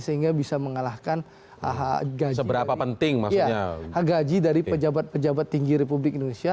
sehingga bisa mengalahkan gaji dari pejabat pejabat tinggi republik indonesia